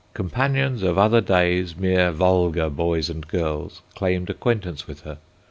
Companions of other days, mere vulgar boys and girls, claimed acquaintance with her.